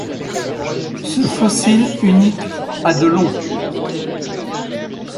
Ce fossile unique a de long.